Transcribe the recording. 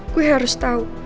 gue harus tahu